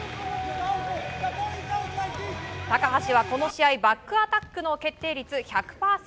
高橋は、この試合バックアタックの決定率１００％。